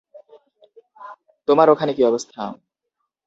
তোমার ওখানে কী অবস্থা?